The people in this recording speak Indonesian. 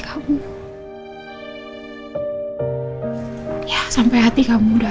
kamu lewati semuanya di dalam hati anda